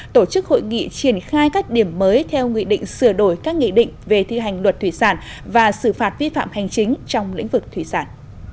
tổ chức hội nghị triển khai các điểm mới theo nghị định sửa đổi các nghị định về thi hành luật thủy sản và xử phạt vi phạm hành chính trong lĩnh vực thủy sản